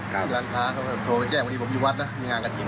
เขาก็โทรไปแจ้งว่าวันนี้ผมอยู่วัดนะมีงานกระถิ่น